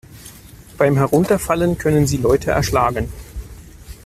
Beim Herunterfallen können sie Leute erschlagen.